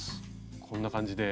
こんな感じで。